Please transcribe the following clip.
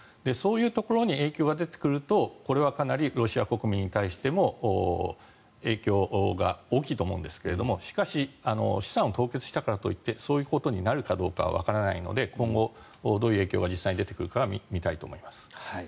そういうところに影響が出てくるとこれはかなりロシア国民に対しても影響が大きいと思うんですがしかし、資産を凍結したからといってそういうことになるかどうかはわからないので今後、どういう影響が実際に出てくるか見たいと思います。